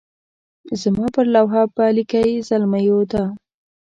زما پر لوحه به لیکئ زلمیو دا.